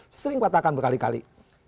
saya sering katakan berkali kali